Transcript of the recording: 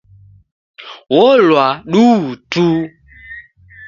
Olwa duu tu.